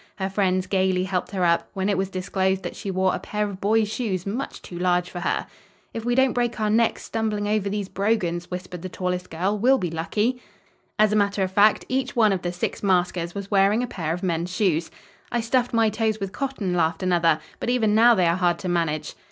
Her friends gayly helped her up, when it was disclosed that she wore a pair of boy's shoes much too large for her. "If we don't break our necks stumbling over these brogans," whispered the tallest girl, "we'll be lucky." As a matter of fact, each one of the six maskers was wearing a pair of men's shoes. "I stuffed my toes with cotton," laughed another, "but even now they are hard to manage."